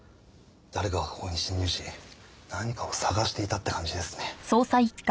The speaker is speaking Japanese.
誰かがここに侵入し何かを捜していたって感じですね。